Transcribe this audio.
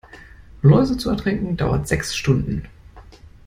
Läuse zu ertränken, dauert sechs Stunden.